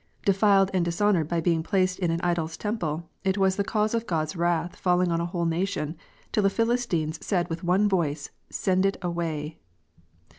Defiled and dishonoured by being placed in an idol s temple, it was the cause of God s wrath falling on a whole nation, till the Philis tines said with one voice, " Send it away."